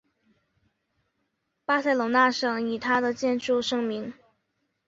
巴塞隆纳省以它的建筑盛名。